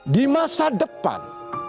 di masa depan